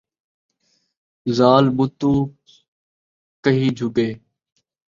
ذال مُتوں کیہیں جھُڳے ؟